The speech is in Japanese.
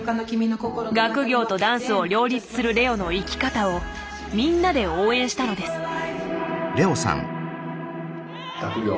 学業とダンスを両立するＬｅｏの生き方をみんなで応援したのです。